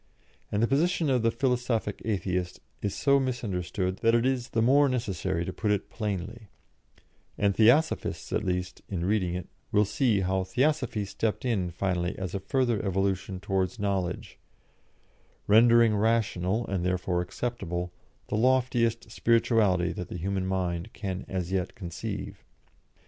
And the position of the philosophic Atheist is so misunderstood that it is the more necessary to put it plainly, and Theosophists, at least, in reading it, will see how Theosophy stepped in finally as a further evolution towards knowledge, rendering rational, and therefore acceptable, the loftiest spirituality that the human mind can as yet conceive.